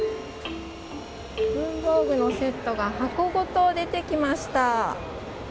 文房具のセットが箱ごと出てきました。